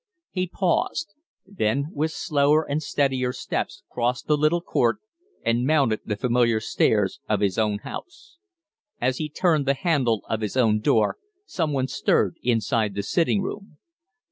He paused; then with slower and steadier steps crossed the little court and mounted the familiar stairs of his own house. As he turned the handle of his own door some one stirred inside the sitting room.